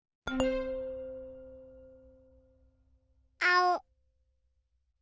あお。